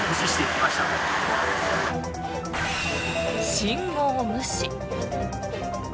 信号無視。